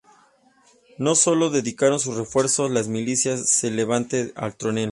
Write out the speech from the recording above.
No sólo dedicaron sus esfuerzos las milicias de Levante a Teruel.